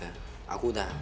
aku udah lupain reva om